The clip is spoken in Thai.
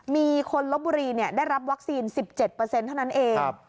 มีคนลบบุรีได้รับวัคซีน๑๗เท่านั้นเอง